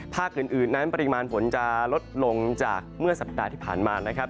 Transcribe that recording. ภาคอื่นนั้นปริมาณฝนจะลดลงจากเมื่อสัปดาห์ที่ผ่านมานะครับ